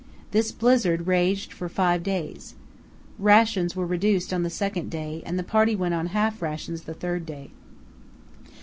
This blizzard raged for five days. Rations were reduced on the second day, and the party went on half rations the third day.